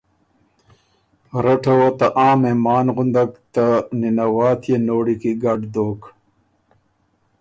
رټه وه ته سۀ عام مهمان غُندک ته نِنه واتيې نوړی کی ګډ دوک